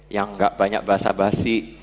yang gak banyak basah basi